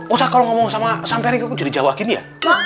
usah kalau ngomong sama samperi kok jadi jawa gini ya